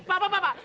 pak pak pak pak